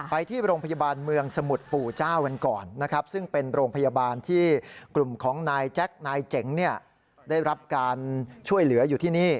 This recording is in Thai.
ไปที่โรงพยาบาลเมืองสมุทรปู่เจ้ากันก่อนนะครับซึ่งเป็นโรงพยาบาลที่กลุ่มของนายแจ็คนายเจ๋งได้รับการช่วยเหลืออยู่ที่นี่